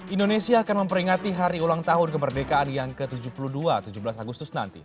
indonesia akan memperingati hari ulang tahun kemerdekaan yang ke tujuh puluh dua tujuh belas agustus nanti